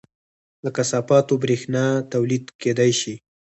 له کثافاتو بریښنا تولید کیدی شي